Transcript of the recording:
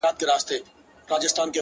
د زړه ملا مي راته وايي دغه;